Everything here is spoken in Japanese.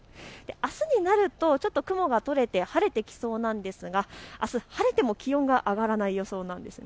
あすになるとちょっと雲が取れて晴れてきそうですが、あす晴れても気温が上がらない予想です。